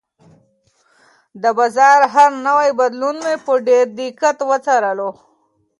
د بازار هر نوی بدلون مې په ډېر دقت وڅارلو.